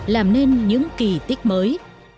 làm nên những kỳ tích mới